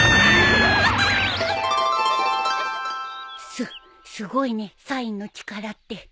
すっすごいねサインの力って